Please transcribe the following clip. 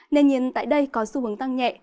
nên nhiên tại đây có xu hướng tăng nhẹ